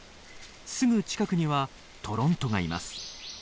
すぐ近くにはトロントがいます。